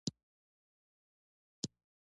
ځمکه د افغانستان د جغرافیې بېلګه ده.